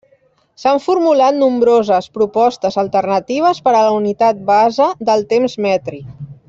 S’han formulat nombroses propostes alternatives per a la unitat base del temps mètric.